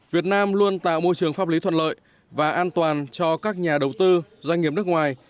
việt nam luôn tạo môi trường pháp lý thuận lợi và an toàn cho các nhà đầu tư doanh nghiệp nước ngoài